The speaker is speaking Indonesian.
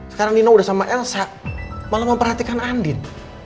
sekarang nino udah sama elsa malah memperhatikan andin